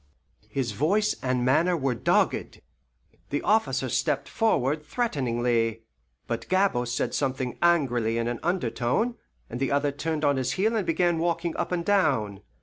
His voice and manner were dogged. The officer stepped forward threateningly; but Gabord said something angrily in an undertone, and the other turned on his heel and began walking up and down.